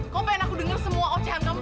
kau pengen aku denger semua ocehan kamu